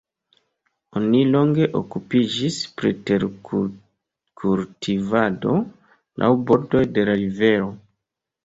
Oni longe okupiĝis pri terkultivado laŭ bordoj de la rivero.